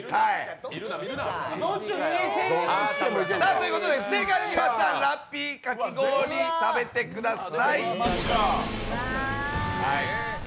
ということで、不正解の皆さんラッピーかき氷、食べてください。